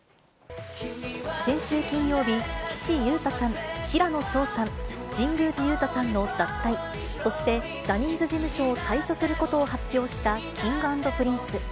先週金曜日、岸優太さん、平野紫燿さん、神宮寺勇太さんの脱退、そしてジャニーズ事務所を退所することを発表したＫｉｎｇ＆Ｐｒｉｎｃｅ。